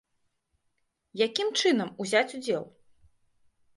Якім чынам узяць удзел?